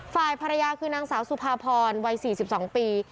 ฝ่ายภรรยาคือนางสาวสุภาพรวัย๔๒ปี